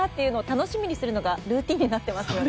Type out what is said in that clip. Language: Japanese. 楽しみにするのがルーティンになっていますよね。